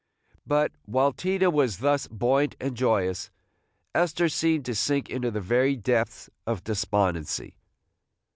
But, while Tina was thus buoyant and joyous, Esther seemed to sink into the very depths of despondency.